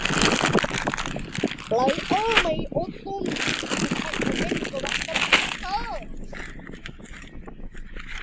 Players may also need to fight against corrupted monsters.